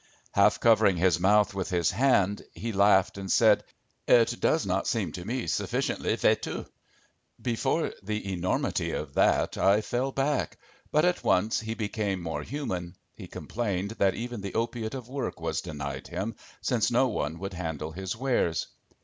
Half covering his mouth with his hand, he laughed and said: "It does not seem to me sufficiently vécu." Before the enormity of that I fell back. But at once he became more human. He complained that even the opiate of work was denied him, since no one would handle his wares.